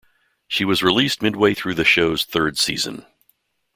She was released midway through the show's third season.